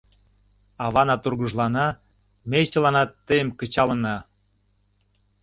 — Авана тургыжлана, ме чыланат тыйым кычалына.